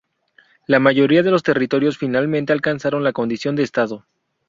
La mayoría de los territorios finalmente alcanzaron la condición de Estado.